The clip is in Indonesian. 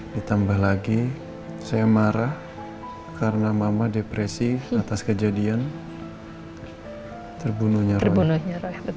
ditambah lagi saya marah karena mama depresi atas kejadian terbunuhnya